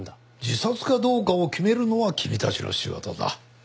自殺かどうかを決めるのは君たちの仕事だ。